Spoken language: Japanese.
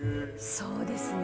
そうですね